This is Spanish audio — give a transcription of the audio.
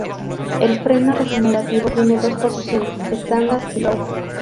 El freno regenerativo tiene dos posiciones: Standard y Low.